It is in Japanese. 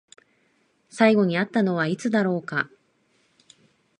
最後に会ったのはいつだろうか？